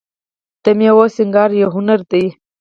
د میوو سینګار یو هنر دی.